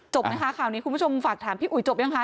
นะคะข่าวนี้คุณผู้ชมฝากถามพี่อุ๋ยจบยังคะ